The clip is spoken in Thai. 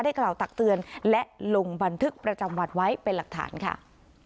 กล่าวตักเตือนและลงบันทึกประจำวันไว้เป็นหลักฐานค่ะ